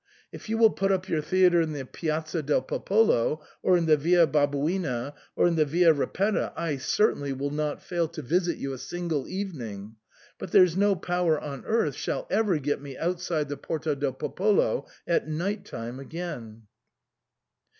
If you will put up your theatre in the Piazza del Popolo, or in the Via Babuina, or in the Via Ripetta, I certainly will not fail to visit you a single evening ; but there's no power on earth shall ever get me outside the Porta del Popolo at night time again."